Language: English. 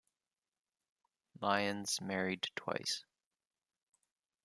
Lyons married twice.